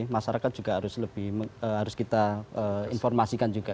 masyarakat juga harus kita informasikan juga